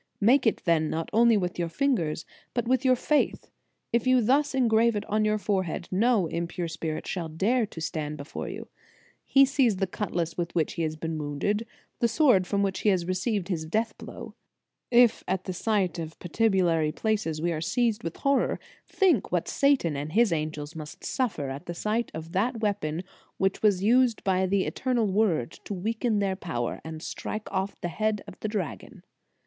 Make it then not only with your fingers, but with your faith. If you thus engrave it on your fore head, no impure spirit shall dare to stand before you. He sees the cutlass with which he has been wounded, the sword from which In the Nineteenth Century. 227 he has received his death blow. If at the sight of patibulary places we are seized with horror, think what Satan and his angels must suffer at the sight of that weapon which was used by the Eternal Word to weaken their power, and strike off the head of the dragon."